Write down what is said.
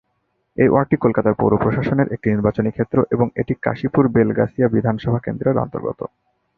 এই ওয়ার্ডটি কলকাতার পৌর-প্রশাসনের একটি নির্বাচনী ক্ষেত্র এবং এটি কাশীপুর-বেলগাছিয়া বিধানসভা কেন্দ্রের অন্তর্গত।